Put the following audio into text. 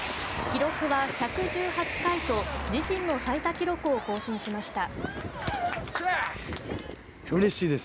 記録は、１１８回と自身の最多記録を更新しました。